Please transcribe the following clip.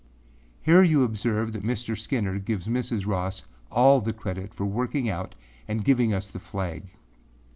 â Here you observe that Mr. Skinner gives Mrs. Ross all the credit for working out and giving us the flag.